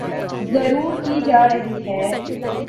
ضرور کی جارہی ہیں